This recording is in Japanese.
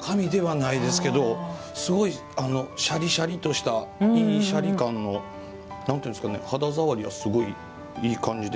紙ではないですけどすごいシャリシャリとしたいいシャリ感の肌触りはすごい、いい感じで。